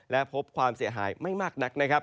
และพบความเสียหายไม่มากนักนะครับ